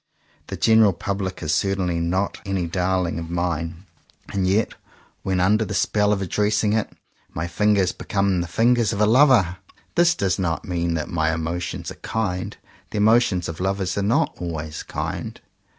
The general public is certainly not any darling of mine; and yet when under the spell of addressing it my fingers become the fingers of a lover. This does 10 JOHN COWPER POWYS not mean that my emotions are kind. The emotions of lovers are not always kind.